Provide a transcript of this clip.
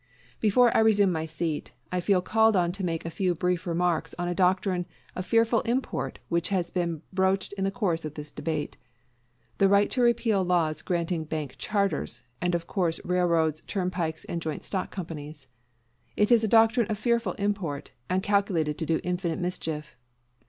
Before I resume my seat, I feel called on to make a few brief remarks on a doctrine of fearful import which has been broached in the course of this debate: the right to repeal laws granting bank charters, and of course of railroads, turnpikes, and joint stock companies. It is a doctrine of fearful import, and calculated to do infinite mischief.